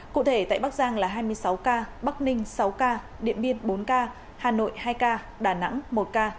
cụ thể tại bắc giang là hai mươi sáu ca bắc ninh sáu ca điện biên bốn ca hà nội hai ca đà nẵng một ca